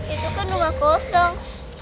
itu kan rumah kosong